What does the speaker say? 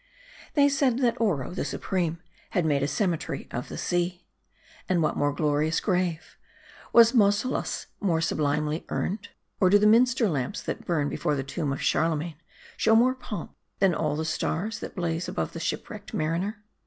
They said that Oro, the supreme, had made a cemetery of the sea. And what more glorious grave ? Was Mausolus more sublimely urned ? Or do the minster lamps that burn be fore the tomb of Charlemagne, show more of pomp, than all the stars, that blaze above the shipwrecked mariner